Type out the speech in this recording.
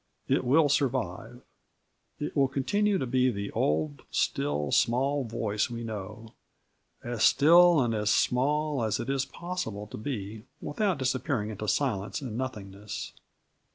It will survive. It will continue to be the old still, small voice we know as still and as small as it is possible to be without disappearing into silence and nothingness.